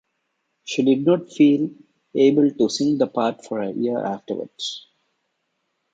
She did not feel able to sing the part for a year afterwards.